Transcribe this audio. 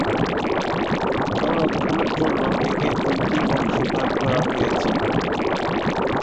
সংরক্ষনের জন্য একে দুইটি অংশে ভাগ করা হয়েছে।